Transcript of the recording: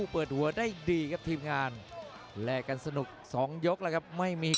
โปรดติดตามตอนต่อไป